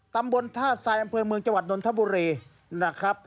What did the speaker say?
ตำบลท่าทรายอำเภอเมืองจังหวัดนนทบุรีนะครับ